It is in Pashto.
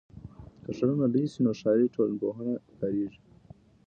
که ښارونه لوی سي نو ښاري ټولنپوهنه پکاریږي.